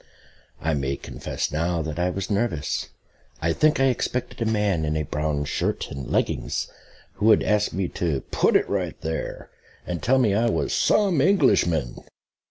I may confess now that I was nervous. I think I expected a man in a brown shirt and leggings, who would ask me to put it "right there," and tell me I was "some Englishman."